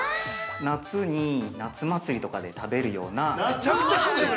夏に夏祭りとかで食べるような。